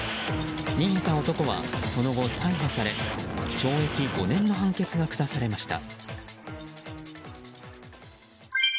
逃げた男はその後逮捕され懲役５年の判決が下されました。